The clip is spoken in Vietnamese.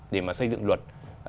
để mà xây dựng luật